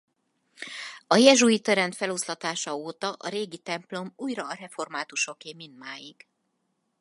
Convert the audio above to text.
A jezsuita rend feloszlatása óta a régi templom újra a reformátusoké mindmáig.